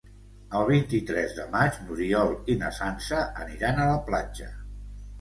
El vint-i-tres de maig n'Oriol i na Sança aniran a la platja.